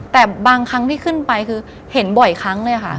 แต่บางครั้งที่ขึ้นไปคือเห็นบ่อยครั้งเลยค่ะ